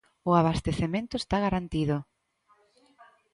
O abastecemento está garantido.